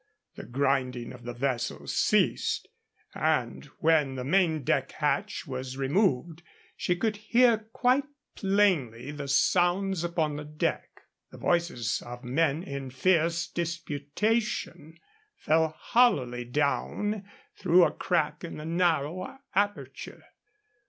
The grinding of the vessels ceased, and when the main deck hatch was removed she could hear quite plainly the sounds upon the deck. The voices of men in fierce disputation fell hollowly down through a crack in the narrow aperture.